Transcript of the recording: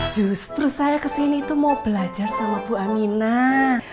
justru saya kesini tuh mau belajar sama bu aminah